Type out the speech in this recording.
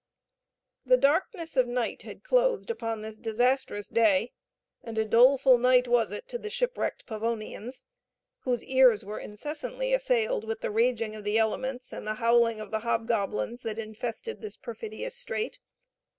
The darkness of night had closed upon this disastrous day, and a doleful night was it to the shipwrecked Pavonians, whose ears were incessantly assailed with the raging of the elements, and the howling of the hobgoblins that infested this perfidious strait.